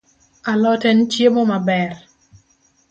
Alot en chiemo maber